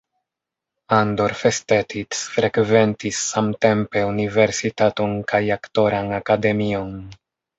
Andor Festetics frekventis samtempe universitaton kaj aktoran akademion.